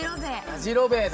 やじろべえだ。